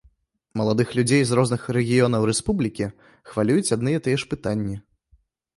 Маладых людзей з розных рэгіёнаў рэспублікі хвалююць адны і тыя ж пытанні.